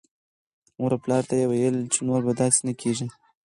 مور او پلار ته یې ویل چې نور به داسې نه کېږي.